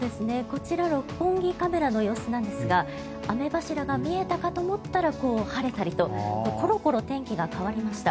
六本木カメラの様子なんですが雨柱が見えたかと思ったら晴れたりとコロコロ天気が変わりました。